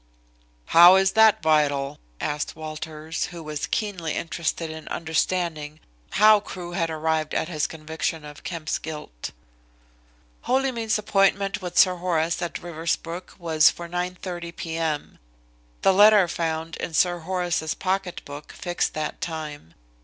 "How is that vital?" asked Walters, who was keenly interested in understanding how Crewe had arrived at his conviction of Kemp's guilt. "Holymead's appointment with Sir Horace at Riversbrook was for 9.30 p.m. The letter found in Sir Horace's pocket book fixed that time.